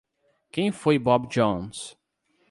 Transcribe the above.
Quem foi Bobi Jones?